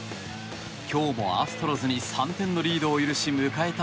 今日もアストロズに３点のリードを許し迎えた